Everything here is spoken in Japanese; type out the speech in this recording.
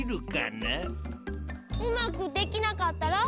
うまくできなかったら？